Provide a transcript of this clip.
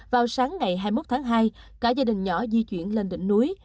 vào sáng ngày hai mươi một tháng hai cả gia đình nhỏ di chuyển lên đỉnh núi